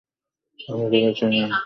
আপনি তাকে চিনেন, রাধে জি?